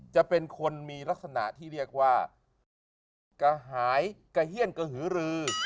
จะเป็นคนมีลักษณะที่เรียกว่ากระหายกระเฮียนกระหือรือ